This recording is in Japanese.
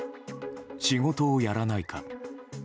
仕事をやらないか。